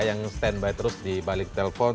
yang stand by terus di balik telpon